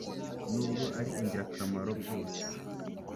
Nubwo ari ingirakamaro bwose